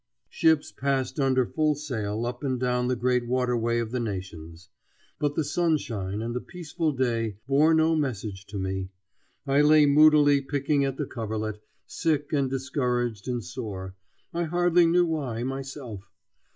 Ships passed under full sail up and down the great waterway of the nations. But the sunshine and the peaceful day bore no message to me. I lay moodily picking at the coverlet, sick and discouraged and sore I hardly knew why myself.